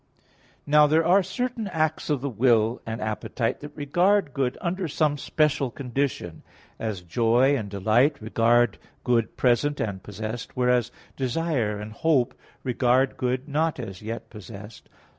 Now there are certain acts of the will and appetite that regard good under some special condition, as joy and delight regard good present and possessed; whereas desire and hope regard good not as yet possessed.